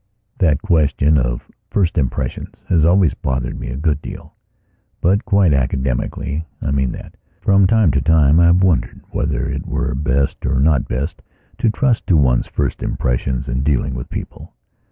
That question of first impressions has always bothered me a good dealbut quite academically. I mean that, from time to time I have wondered whether it were or were not best to trust to one's first impressions in dealing with people.